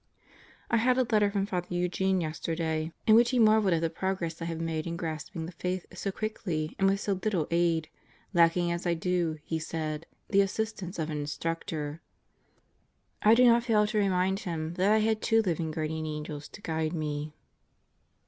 I had a letter from Father Eugene yesterday in which he marveled 120 God Goes to Murderers Row at the progress I have made in grasping the Faith so quickly and with so little aid, lacking, as I do, he said, the assistance of an instructor. I did not fail to remind him that I had two living Guardian Angels to guide me.